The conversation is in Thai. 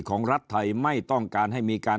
ของรัฐไทยไม่ต้องการให้มีการ